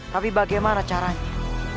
tapi bagaimana caranya